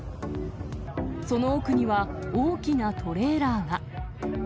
その奥には、大きなトレーラーが。